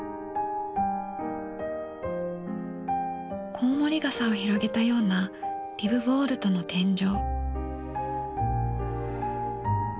こうもり傘を広げたようなリブ・ヴォールトの天井。